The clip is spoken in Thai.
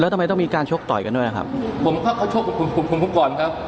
ทำไมต้องมีการชกต่อยกันด้วยนะครับผมเขาชกกับคุณผมก่อนครับ